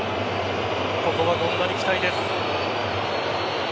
ここは権田に期待です。